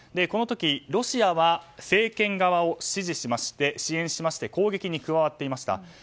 この時、ロシアは政権側を支援しまして攻撃に加わっていました。